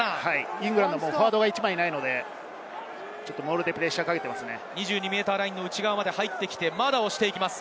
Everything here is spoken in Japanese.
イングランドはフォワードが１枚いないので、モールでプレッシャーをかけていますよね。